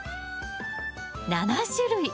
７種類。